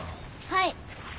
はい。